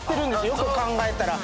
よく考えたら。